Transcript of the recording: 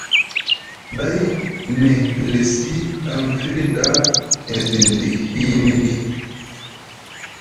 Day nʼe hilisi aŋ fiɗi ɗa e bindi hiiniɗi.